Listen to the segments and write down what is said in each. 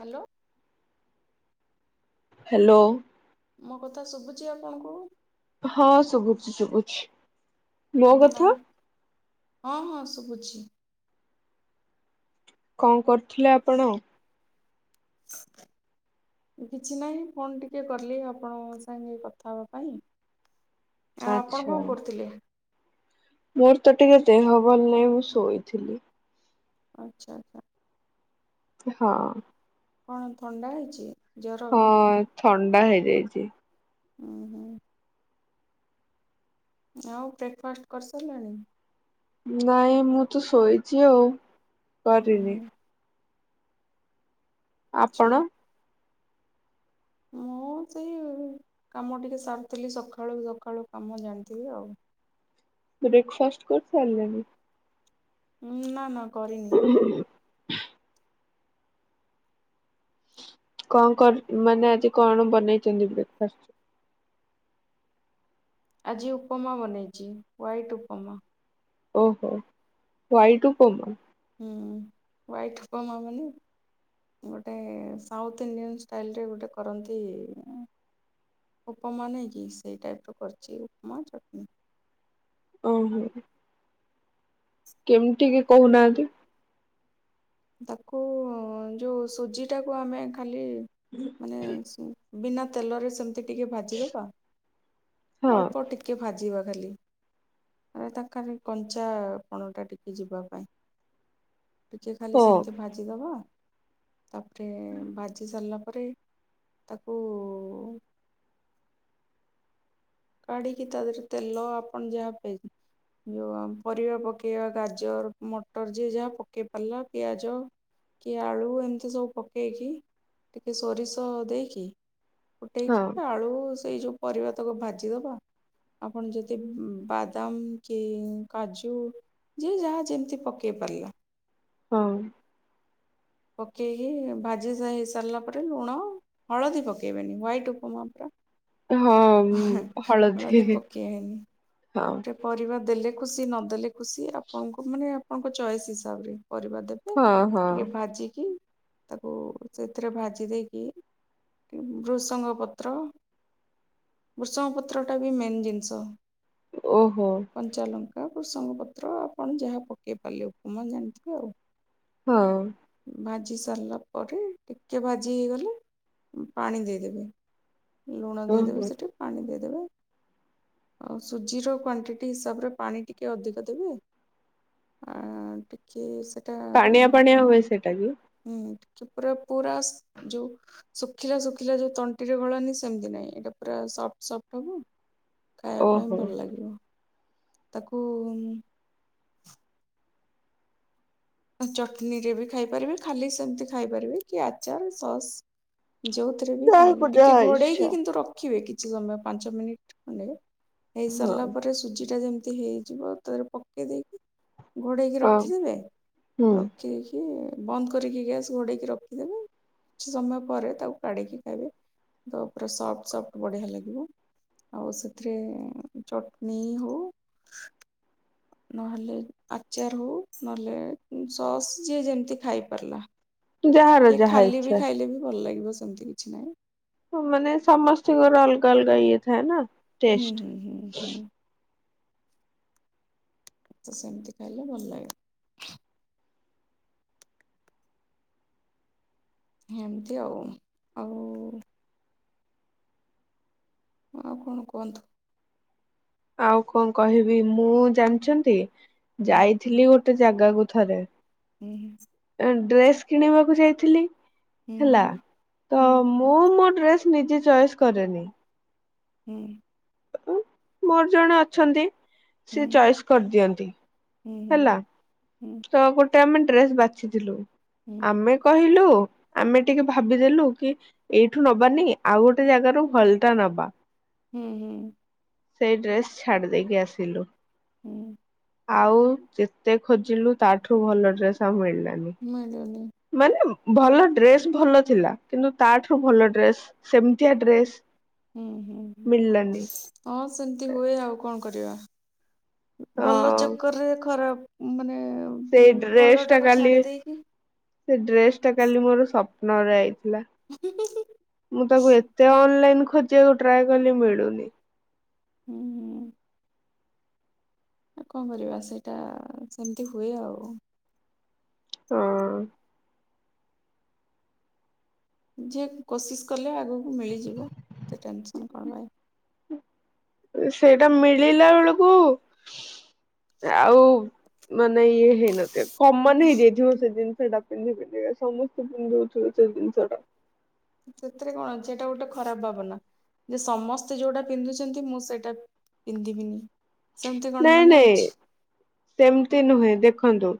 Hello. Hello. ମୋ କଥା ଶୁଭୁଛି ଆପଣଙ୍କୁ? ହଁ ଶୁଭୁଛି ଶୁଭୁଛି। ମୋ କଥା ହଁ ହଁ ଶୁଭୁଛି। କଣ କରୁଥିଲେ ଆପଣ? କିଛି ନାହିଁ ଫୋନ୍ ଟିକେ କଲି ଆପଣଙ୍କ ସାଙ୍ଗେ କଥା ହେବା ପାଇଁ ଆ ଆପଣ ଆଚ୍ଛା କଣ କରୁଥିଲେ? ମୋର ତ ଟିକେ ଦେହ ଭଲ ନାହିଁ ମୁଁ ଶୋଇଥିଲି। ଆଚ୍ଛା। ହଁ ଅଁ। କଣ ଥଣ୍ଡା ହେଇଚି। ହଁ ଥଣ୍ଡା ହେଇଯାଇଚି। ଉଁ ହୁଁ। ଆଉ ବ୍ରେକ୍ଫାଷ୍ଟ କରିସାରିଲାଣି? ନାଇଁ ମୁଁ ତ ଶୋଇଚି ଆଉ ହୁଁ କରିନି। ହୁଁ ଆଚ୍ଛା ଆପଣ? ମୁଁ ସେଇ କାମ ଟିକେ ସାରିଥିଲି ସକାଳୁ ସକାଳୁ କାମ ଜାଣିଥିବେ ଆଉ। ବ୍ରେକଫାଷ୍ଟ କରିସାରିଲେଣି? ଉଁ ନା ନା କରିନି! ହୁଁ [unintelligible] କଣ କର ମାନେ ଆଜି କଣ ବନେଇଛନ୍ତି ବ୍ରେକ୍ଫାଷ୍ଟ ରେ? ଆଜି ଉପମା ବନେଇଛି ହ୍ୱାଇଟି ଉପମା। ଓହୋ ହ୍ୱାଇଟଉପମା। ହୁଁ ହ୍ୱାଇଟି ଉପମା ମାନେ। ଗୋଟେ ସାଉଥ୍ ଇଣ୍ଡିଆନ୍ ଷ୍ଟାଇଲରେ ଗୋଟେ କରନ୍ତି। ଉପମା ନୁହଁ କି ସେଇ ଟାଇପ୍ର କରିଚି ଉପମା ଚଟଣୀ। ଓହୋ। କେମିତି କି କହୁନାହାନ୍ତି? ତାକୁ ଯୋଉ ସୁଜି ଟାକୁ ଆମେ ଖାଲି ହୁଁ ମାନେ ସେ ବିନା ତେଲରେ ସେମିତି ଟିକେ ଭାଜିଦବା ହଁ ଅଳ୍ପ ଟିକେ ଟିକେ ଭାଜିବା ଖାଲି। ତା ଖାଲି କଞ୍ଚା ପଣ ଟା ଟିକେ ଯିବା ପାଇଁ ଟିକେ ଖାଲି ହଁ ସେମିତି ଭାଜିଦବା ତାପରେ ଭାଜି ସାରିଲା ପରେ ତାକୁ କାଢିକି ତା ଦେହରେ ତେଲ ଆପଣ ଯାହା ପାଇ ଯେଉଁ ଆ ପରିବା ପକେଇବା ଗାଜର ମଟର ଯିଏ ଯାହା ପକେଇ ପାରିଲା ପିଆଜ କି ଆଳୁ ଏମିତି ସବୁ ପକେଇକି ଟିକେ ସୋରିଷ ଦେଇକି। ହଁ ଫୁଟେଇକି ଆଳୁ ସେଇ ଯୋଉ ପରିବା ତକ ଭାଜିଦବା। ଆପଣ ଯଦି ବାଦାମ କି କାଜୁ, ଯିଏ ଯାହା ଯେମିତି ପକେଇ ପାରିଲା। ହଁ ପକେଇକି ଭାଜି ହେଇ ସାରିଲା ପରେ ଲୁଣ, ହଳଦୀ ପକେଇବେନି ହ୍ୱାଇଟ୍ ଉପମା ପୁରା। ହଳଦୀ ପକେଇ ହଁ ବାନି। ପରିବା ଦେଲେ ଖୁସି ନଦେଲେ ଖୁସି ଆପଣଙ୍କୁ ମାନେ ଆପଣଙ୍କ ଚଏସ୍ ହିସାବରେ ପରିବା ଦେବେ। ହଁ ହଁ ଟିକେ ଭାଜିକି ତାକୁ ସେଥିରେ ଭାଜି ଦେଇକି, ବୃସଙ୍ଗ ପତ୍ର, ବୃଷଙ୍ଗ ପତ୍ରଟା ବି ମେନ୍ ଜିନିଷ। ଓହୋ! କଞ୍ଚା ଲଙ୍କା ଭୃସଙ୍ଗ ପତ୍ର ଆପଣ ଯାହା ପକାଇ ପାରିଲେ ଉପମାଜାଣିଥିବେ ଆଉ। ହଁ ଭାଜି ସାରିଲା ପରେ ଟିକେ ଭାଜି ହେଇଗଲେ, ପାଣି ଦେଇଦେବେ ଲୁଣ ଦେଇଦେବେ ଓହୋ ସେଠି ପାଣି ଦେଇଦେବେ, ଆଉ ସୁଜିର କ୍ୱାଣ୍ଟିଟି ହିସାବରେ ପାଣି ଟିକିେ ଅଧିକ ଦେବେ। ଆ ଟିକେ ସେଟା, ପାଣିଆ ପାଣିଆ ହୁଏ ସେଟା କି? ହୁଁ ପୁରା ପୁରା ଯୋଉ ଶୁଖିଲା ଶୁଖିଲା ଯୋଉ ତଣ୍ଟିରେ ଗଳେନି ସେମିତି ନାହିଁ ଏଇଟା ପୁରା ସଫ୍ଟ ସଫ୍ଟ ହବ। ଖାଇବା ପାଇଁ ଓହୋ। ଭଲ ଲାଗିବ। ତାକୁ ଚଟନୀରେ ବି ଖାଇପାରିବେ ଖାଲି ସେମିତି ଖାଇପାରିବେ କି ଆଚାର ସସ୍ ଯଉ, ରେ ବି ଯାହାକୁ ଖାଇଲେ ଟିକେ ଯାହା ଇଚ୍ଛା। ଘୋଡେଇକି କିନ୍ତୁ ରଖିବେ କିଛି ସମୟ ପାଞ୍ଚ ମିନିଟ ଖଣ୍ଡେ। ହେଇ ହଁ ସାରିଲା ପରେ ସୁଜି ଟା ଯେମିତି ହେଇଯିବ ତାରେ ପକେଇ ଦେଇକି, ଘୋଡ଼େଇକି ହଁ ରଖିଦେବେ। ହୁଁ ବନ୍ଦ କରିକି ଗ୍ୟାସ୍ ଘୋଡ଼େଇକି ରଖିଦେବେ। କିଛି ସମୟ ପରେ ତାକୁ କାଢିକି ଖାଇବେ ତାପରେ ସଫ୍ଟ୍ ସଫ୍ଟ୍ ବଢିଆ ଲାଗିବ। ଆଉ ସେଥିରେ ଚଟନି ହଉ ନହେଲେ ଆଚାର ହଉ ନହେଲେ ସସ୍ ଯିଏ ଯେମିତି ଖାଇ ପାରିଲା। ଯାହାର କିଏ ଯାହା ଖାଲି ବି ଇଚ୍ଛା। ଖାଇଲେ ବି ଭଲ ଲାଗିବ ସେମିତି କିଛି ନାହିଁ। ମାନେ ସମସ୍ତଙ୍କର ଅଲଗା ଅଲଗା ଇଏ ଥାଏ ନା। ହୁଁ ଟେଷ୍ଟ। ହୁଁ ହୁଁ ହୁଁ ତ ସେମିତି ଖାଇଲେ ଭଲ ଲାଗେ। ହେମିତି ଆଉ ଆଉ ଆଉ କଣ କୁହନ୍ତୁ? ଆଉ କଣ କହିବି ମୁଁ ଜାଣିଛନ୍ତି, ହୁଁ ଯାଇଥିଲି ଗୋଟେ ଜାଗାକୁ ଥରେ। ହୁଁ ଡ୍ରେସ୍ କିଣିବାକୁ ଯାଇଥିଲି ହୁଁ ହେଲା ତ ହୁଁ ମୁଁ ମୋ ଡ୍ରେସ୍ ନିଜେ ଚଏସ୍ କରେନି। ହୁଁ ମୋର ଜଣେ ଅଛନ୍ତି। ସେ ହୁଁ ଚଏସ୍ କରିଦିଅନ୍ତି ହୁଁ ହେଲା ହୁଁ ତ ଗୋଟେ ସେଠି ଆମେ ଡ୍ରେସ ବାଛିଥିଲୁ, ହୁଁ ଆମେ କହିଲୁ ଆମେ ଟିକେ ଭାବିଦେଲୁ କି ଏଇଠୁ ନବାନି ଆଉ ଗୋଟେ ଜାଗାରୁ ଭଲଟା ନବା। ହୁଁ ହୁଁ ସେଇ ଡ୍ରେସ ଛାଡିଦେଇକି ଆସିଲୁ। ହୁଁ ଆଉ ଯେତେ ଖୋଜିଲୁ ତାଠୁ ଭଲ ଡ୍ରେସ ଆଉ ମିଳିଲାନି। [unintelligible] ମାନେ ଭଲ ଡ୍ରେସ୍ ଭଲ ଥିଲା କିନ୍ତୁ ତାଠାରୁ ଭଲ ଡ୍ରେସ୍ ସେମିତିଆ ଡ୍ରେସ୍ ହୁଁ ହୁଁ ହଁ ସେମିତି ହୁଏ ଆଉ କଣ କରିବା। ଭଲ ହଁ ଚକର୍ ରେ ଖରାପ ମାନେ ସେଇ ଭଲ ଡ୍ରେସ୍ ଟା ଟାକୁ କାଲି ଛାଡି ଦେଇକି ସେ ଡ୍ରେସ୍ ଟା କାଲି ମୋର ସ୍ୱପ୍ନରେ ଆଇଛି। ହେଲା, ହୁଁ ମୁଁ ତାକୁ ଏତେ ଅନଲାଇନ୍ ଖୋଜିବାକୁ ଟ୍ରାଏ କଲି ମିଳୁନି। ହୁଁ ହୁଁ କଣ କରିବା ସେଇଟା ସେମିତି ହୁଏ ଆଉ ହଁ ଯିଏ କୋସିିସ୍ କଲେ ଆଗକୁ ମିଳିଯିବ ଏତେ ଟେନସନ୍ କଣ ପାଇଁ। ସେଇଟା ମିଳିଲା ବେଳକୁ ଆଉ ମାନେ ଇଏ ହେଇନଥିବ। କମନ୍ ହେଇଯାଇଥିବ ସେ ଜିନିଷ ଟା ପିନ୍ଧି ପିନ୍ଧିକା ସମସ୍ତେ ପିନ୍ଧୁଥିବେ ସେ ଜିନିଷ ଟା। ସେଥିରେ କଣ ଅଛି ଏଇଟା ଗୋଟେ ଖରାପ ଭାବନା। ଯେ ସମସ୍ତେ ଯୋଉଟା ପିନ୍ଧୁଛନ୍ତି ମୁଁ ସେଇଟା ପିନ୍ଧିବିନି। ସେମିତି କଣ ନାଇଁ ମାନେ ନାଇଁ ଅଛି। ସେମିତି ନୁହେଁ ଦେଖନ୍ତୁ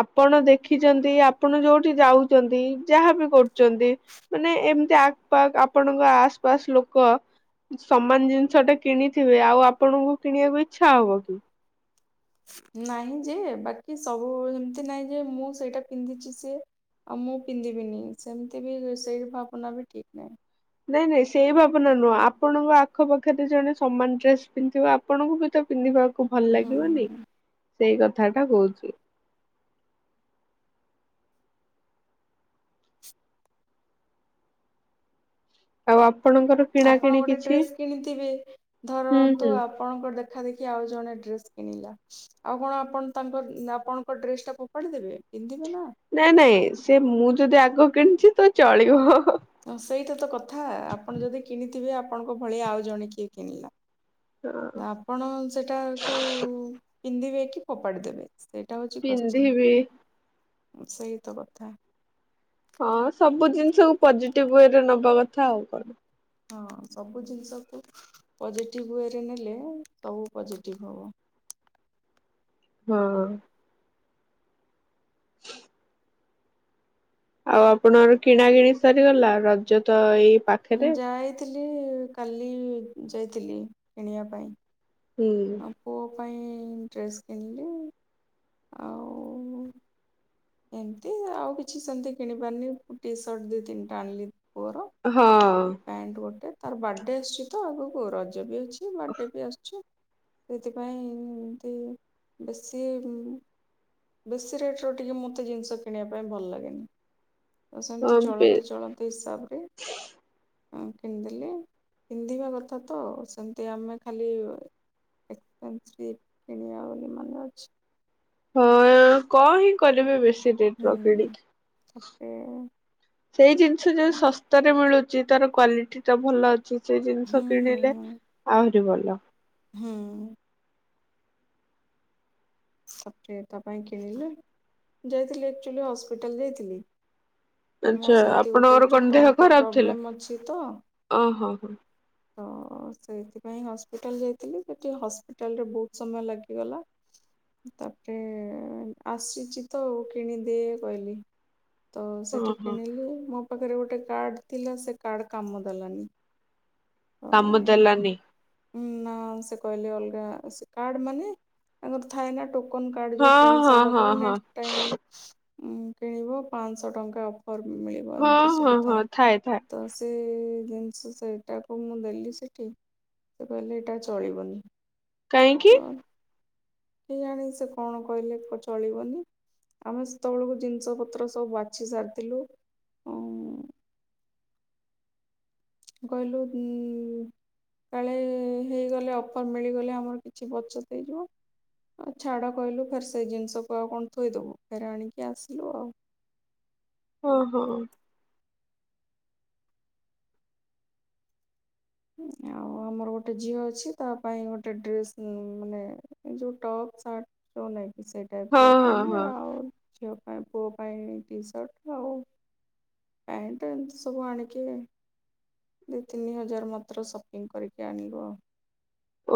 ଆପଣ ଦେଖିଛନ୍ତି, ଆପଣ ଯୋଉଠି ଯାଉଛନ୍ତି, ଯାହାବି କରୁଛନ୍ତି। ମାନେ ଏମିତି ଆଖ ପାଖ ଆପଣଙ୍କ ଆସ୍ ପାସ୍ ଲୋକ ସମାନ ଜିନିଷ ଟା କିଣିଥିବେ ଆଉ ଆପଣଙ୍କୁ କିଣିବାକୁ ଇଚ୍ଛା ହବ କି ନାହିଁ ଯେ, ବାକି ସବୁ ଏମିତି ନାହିଁ ଯେ ମୁଁ ସେଇଟା ପିନ୍ଧିଛି ସିଏ ଆଉ ମୁଁ ପିନ୍ଧିବିନି ସେମିତି ବି ସେଇ ଭାବନା ବି ଠିକ୍ ନାହିଁ। ନାଇଁ ନାଇଁ ସେଇ ଭାବନା ନୁହଁ ଆପଣଙ୍କ ଆଖପାଖରେ ଜଣେ ସମାନ ଡ୍ରେସ୍ ପିନ୍ଧିବ ଆପଣଙ୍କୁ ବି ତ ପିନ୍ଧିବାକୁ ଭଲ ଲାଗିବନି ହୁଁ ସେଇ କଥା ଟା କହୁଛି। ତ ଆପଣଙ୍କର କିଣା ଆପଣ କିିଣି ଗୋଟେ କିଛି ଡ୍ରେସ୍ କିଣିଥିବେ ହୁଁ ଧରନ୍ତୁ ହୁଁ। ଆପ ଆପଣଙ୍କ ଦେଖା ଦେଖି ଆଉ ଜଣେ ଡ୍ରେସ କିଣିଲା। ଆଉ କଣ ଆପଣ ତାଙ୍କ ଆପଣଙ୍କ ଡ୍ରେସ ଟା ଫୋପାଡି ଦେେବେ ପିନ୍ଧିବେ ନା। ନାଇଁ ନାଇଁ ସେ ମୁଁ ଯଦି ଆଗ କିଣିଛି ତ ଚଳିବ। ହଁ ସେଇଟା ତ କଥା ଆପଣ ଯଦି କିଣିଥିବେ ଆପଣଙ୍କ ଭଳିଆ ଆଉ ଜଣେ କିଏ କିଣିଲା। ନା ଆପଣ ସେଟାକୁ ପିନ୍ଧିବେ କି ଫୋପାଡ଼ି ଦେବେ। ସେଇଟା ହଉଛି ପିନ୍ଧିବି କଶ୍ଚିିନ ସେଇ ତ କଥା। ହଁ ସବୁ ଜିନିଷକୁ ପଜିଟିଭ ୱେରେ ନବା କଥା ଆଉ କଣ। ହଁ ସବୁ ଜିନିଷକୁ ପଜିଟିଭ ୱେରେ ନେଲେ ସବୁ ପଜିଟିଭ୍ ହବ। ହଁ। [inaudible] ଆଉ ଆପଣଙ୍କର କିଣା କିିଣି ସାରିଗଲା ରଜ ତ ଏଇ ପାଖ ମୁଁ ଯାଇଥିଲି କାଲି ଯାଇଥିଲି କିଣିବା ପାଇଁ। ହୁଁ। ଆଉ ପୁଅ ପାଇଁ ଡ୍ରେସ୍ କିଣିଲି ଆଉ ଏମିତି ଆଉ କିଛି ସେମିତି କିଣିପାରନି ଟି ସର୍ଟ ଦିଇ ତିନିଟା ଆଣିଲି। ପୁଅର। ହଁ। ପ୍ୟାଣ୍ଟ ଗୋଟେ ତାର ବାର୍ଥଡେ ଆସୁଛି ତ ଆଗକୁ ରଜ ବି ଅଛି ବାର୍ଥଡ଼େ ବି ଆସୁଛୁ। ସେଥିପାଇଁ ଏମତି ବେଶୀ ବେଶୀ ରେଟର ଟିକେ ମୋତେ ଜିନିଷ କିଣିବା ପାଇଁ ଭଲ ଲାଗେନି। ତ ସେମିତି ଚଳନ୍ତୀ ଚଳନ୍ତୀ ହିସାବରେ ହ କିଣିଦେଲି ପିନ୍ଧିବା କଥା ତ ସେମିତି ଆମେ ଖାଲି ଏକ୍ସପନ୍ସ ଟିକେ କିଣିବା ବୋଲି ମାନେ ଅଛି। ହଁ କଣ ହିଁ କରିବେ ବେଶୀ ରେଟ ର ହୁଁ ହୁଁ କିଣିକି। ତା ପରେ ସେଇ ଜିନିଷ ଯୋଉ ଶସ୍ତାରେ ମିଳୁଛି ତାର କ୍ୱାଲିଟି ତ ଭଲ ଅଛି ସେଇ ଜିନିଷ ହୁଁ ହୁଁ ହୁଁ କିଣିଲେ ଆହୁରି ଭଲ। ହୁଁ। ସପେ ତା ପାଇଁ କିଣିଲି ଯାଇଥିଲି ଆକ୍ଚୁଆଲି ହସ୍ପିଟାଲ ଯାଇଥିଲି। ମୋର ଆଚ୍ଛା ସେମିତି ଗୋଟେ ଆପଣଙ୍କର କଣ ଛୋଟ ଦେହ ମୋଟ ଖରାପ ଥିଲା? ପ୍ରୋବ୍ଲେମ ଅଛି ତ। ଓହୋ ହୋ ତ ସେଇଥିପାଇଁ ହସ୍ପିଟାଲ ଯାଇଥିଲି ସେଠି ହସ୍ପିଟାଲରେ ବହୁତ ସମୟ ଲାଗିଗଲା। ତାପରେ ଆସିଛି ତ କିଣିଦିଏ କହିଲି। ତ ସେଠି ଓହୋ କିଣିଲି ମୋ ପାଖରେ ଗୋଟେ କାର୍ଡ ଥିଲା ସେ କାର୍ଡ କାମ ଦେଲାନି। ତ କାମ ଦେଲାନି। ନା ସେ କହିଲେ ଅଲଗା ସେ କାର୍ଡ ମାନେ ତାଙ୍କର ଥାଏ ନା ଟୋ ଟୋକନ କାର୍ଡ଼ ଯେଉଁ ହଁ କିଣି ହଁ ସାରିଲା ହଁ ପରେ ହଁ ନେକ୍ସଟ ଟାଇମ୍ କିଣିବ ପାଞ୍ଚଶହ ଟଙ୍କା ଅଫର ମିଳିବ ହଁ ଏମନ୍ତି ହଁ ସବୁ ହଁ ଥାଏ। ଥାଏ ତ ସେ ଜିନିଷ ସେଇଟାକୁ ମୁଁ ଦେଲି ସେଇଠି। ସେ କହିଲେ ଏଇଟା ଚଳିବନି। କାହିଁକି? ହଁ କେଜାଣି ସେ କଣ କହିଲେ ଚଳିବନି। ଆମେ ସେତେବେଳକୁ ଜିନିଷ ପତ୍ର ସବୁ ବାଛି ସାରିଥିଲୁ। କହିଲୁ ଉ କାଳେ ହେଇଗଲେ ଅଫର୍ ମିଳିଗଲେ ଆମର କିଛି ବଚତ ହେଇଯିବ। ହ ଛାଡ଼ କହିଲୁ ଫେର୍ ସେଇ ଜିନିଷକୁ ଆଉ କଣ ଥୋଇଦେବୁ ଫେର୍ ଆଣିକି ଆସିଲୁ ଆଉ। ହଁ ହଁ ଆଉ ଆମର ଗୋଟେ ଝିଅ ଅଛି ତା ପାଇଁ ଗୋଟେ ଡ୍ରେସ୍ ମାନେ ଏ ଯୋଉ ଟପ୍ ସାର୍ଟ [unintelligible] ହଁ [unintelligible] ହଁ ଆଣିଲେ ହଁ ଆଉ ଝିଅ ପାଇଁ ପୁଅ ପାଇଁ ଟି ସାର୍ଟ ଆଉ ପ୍ୟାଣ୍ଟ ଏମିତି ସବୁ ଆଣିିକି ଦୁଇ ତିନି ହଜାର ମାତ୍ର ସପିଂ କରିକି ଆଣିଲୁ ଆଉ।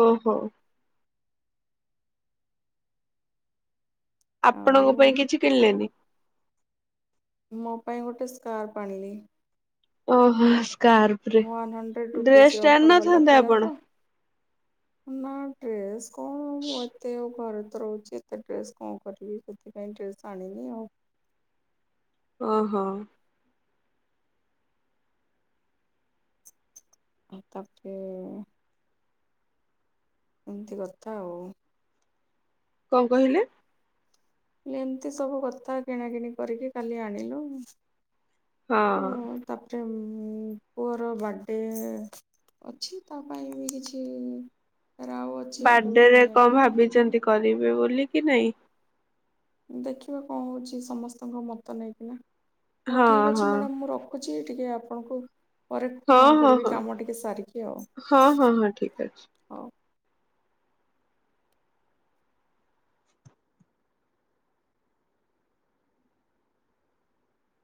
ଓହୋ ଆପଣଙ୍କ ଆଉ ପାଇଁ କିଛି କିଣିଲେନି। ମୋ ପାଇଁ ଗୋଟେ ସ୍କାର୍ପ ଆଣିବେ। ଓହୋ ସ୍କାର୍ପରେ ୱାନ୍ ହଣ୍ଡ୍ରେଡ୍ ରୁପିଜ୍ ର ଡ୍ରେସଟେ ଆଣି ଅଫର୍ ବାଲା ନଥାନ୍ତେ ଥିଲା ତ ଆପଣ। ନା ଡ୍ରେସ୍ କଣ ଏତେ ଘରେତ ରହୁଚି। ତ ଡ୍ରେସ କଣ କରିବି ସେଥିପାଇଁ ଡ୍ରେସ ଆଣିନି ଆଉ। ଓହୋ ଆଉ ତାପରେ ଏମିତି କଥା ଆଉ, କଣ କହିଲେ? ଏମିତି ସବୁ କଥା କିଣାକିଣି କରିକି କାଲି ଆଣିଲୁ। ହଁ ତାପରେ ପୁଅର ବାର୍ଥଡେ ଅଛି ତା ପାଇଁ ବି କିଛି ରାଉ ଅଛି ଆଗକୁ ବାର୍ଥଡେ ରେ କିଣିବା କଣ ପାଇଁ ଭାବିଛନ୍ତି କରିବେ ବୋଲି କି ନାଇଁ। ଦେଖିବା କଣ ହଉଛି ସମସ୍ତଙ୍କ ମତ ନେଇକିନା ହଉ ହଁ ଠିକ୍ ହଁ ଅଛି ମ୍ୟାଡ଼ାମ ମୁଁ ରଖ ଖୁଛି ଟିକେ ଆପଣଙ୍କୁ ପରେ ହଁ ଫୋନ ହଁ କରିବି ହଁ କାମ ଟିକେ ସାରିକି ଆଉ ହଁ ହଁ ହଁ ଠିକ ଅଛି ହଉ।